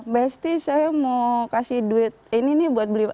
best saya mau kasih duit ini nih buat beli